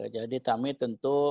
jadi kami tentu